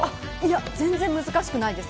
全然難しくないです。